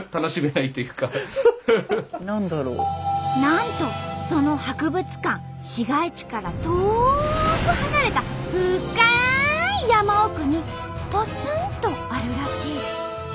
なんとその博物館市街地から遠く離れた深い山奥にポツンとあるらしい。